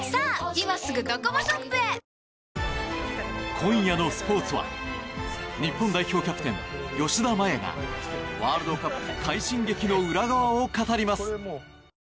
今夜のスポーツは日本代表キャプテン吉田麻也がワールドカップ快進撃の裏側を語ります。